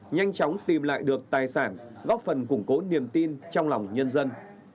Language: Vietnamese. nhanh chóng tìm lại được tài sản góp phần củng cố niềm tin trong lòng nhân dân